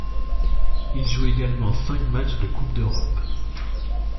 Il joue également cinq matchs de Coupe d'Europe.